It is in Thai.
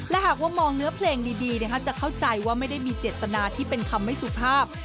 และหากว่ามองเนื้อเพลงดีจะเข้าใจว่าไม่ได้มีเจตนาที่เป็นคำไม่สุภาพ